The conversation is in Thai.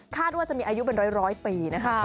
คาดว่าจะมีอายุเป็นร้อยปี